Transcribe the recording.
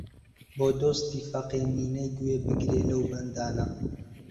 بۆ دۆستی فەقێ مینەی گوێ بگرێ لەو بەندانە